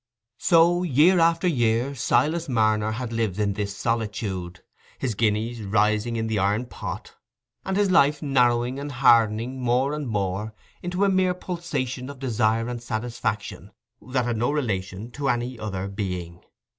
So, year after year, Silas Marner had lived in this solitude, his guineas rising in the iron pot, and his life narrowing and hardening itself more and more into a mere pulsation of desire and satisfaction that had no relation to any other being.